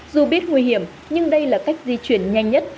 dù biết nguy hiểm nhưng đây là cách di chuyển nhanh nhất